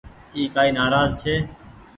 اي ڪآئي نآراز ڇي۔